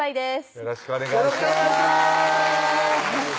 よろしくお願いします